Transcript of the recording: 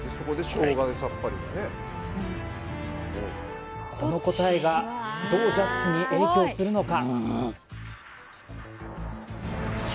はいこの答えがどうジャッジに影響するのか？